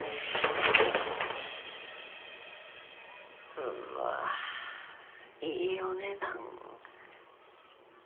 うわいいお値段。